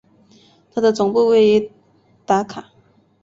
它的总部位于达卡。